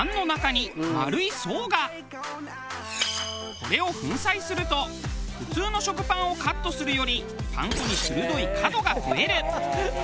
これを粉砕すると普通の食パンをカットするよりパン粉に鋭い角が増える。